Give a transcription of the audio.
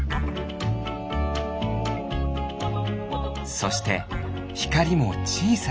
そしてひかりもちいさなつぶ。